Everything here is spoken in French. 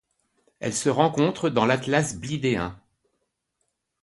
Elle se rencontre dans l'Atlas blidéen.